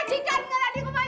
majikan nggak ada di rumah ayah